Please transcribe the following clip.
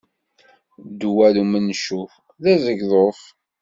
Ddwa umencuf, d azegḍuf.